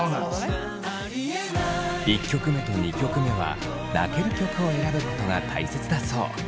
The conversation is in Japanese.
１曲目と２曲目は泣ける曲を選ぶことが大切だそう。